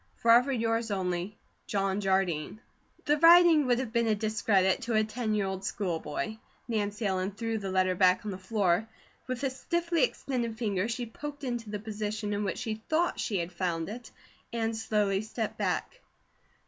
Forever yours only, JOHN JARDINE. The writing would have been a discredit to a ten year old schoolboy. Nancy Ellen threw the letter back on the floor; with a stiffly extended finger, she poked it into the position in which she thought she had found it, and slowly stepped back.